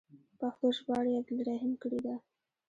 پښتو ژباړه یې عبدالرحیم کړې ده.